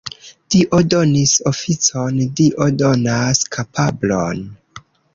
Dio donis oficon, Dio donas kapablon.